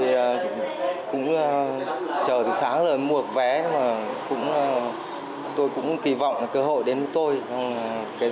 tôi cũng chờ từ sáng rồi mua vé mà tôi cũng kỳ vọng là cơ hội đến với tôi